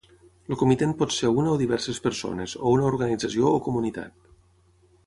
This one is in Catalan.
El comitent pot ser una o diverses persones, o una organització o comunitat.